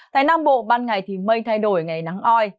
tại nam bộ ban ngày thì mây thay đổi ngày nắng oi